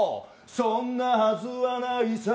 そんなはずはないさ。